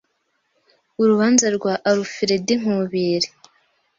Urubanza rwa Alfred Nkubiri